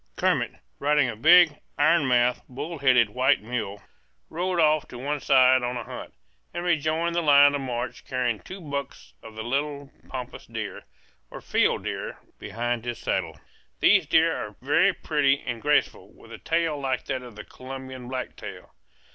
Kermit, riding a big, iron mouthed, bull headed white mule, rode off to one side on a hunt, and rejoined the line of march carrying two bucks of the little pampas deer, or field deer, behind his saddle. These deer are very pretty and graceful, with a tail like that of the Colombian blacktail.